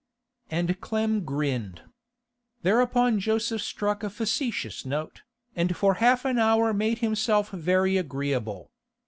And Clem grinned. Thereupon Joseph struck a facetious note, and for half an hour made himself very agreeable.